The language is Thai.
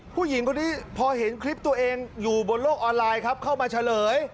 ผู้หญิงคนนี้พอเห็นคลิปตัวเองอยู่บนโลกออนไลน์ครับเข้ามาเฉลย